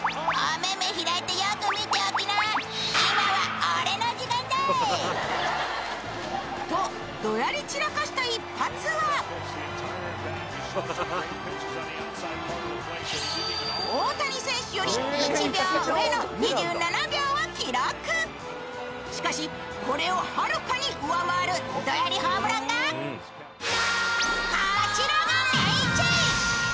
目目開いてよく見ておきな今は俺の時間だ！」とドヤりちらかした一発は大谷選手より１秒上の２７秒を記録しかしこれをはるかに上回るドヤりホームランがこちらのネンイチ！